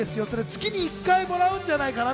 月に１回もらうんじゃないかな？